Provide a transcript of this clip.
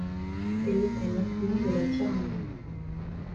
Elle est un affluent de la Tirana.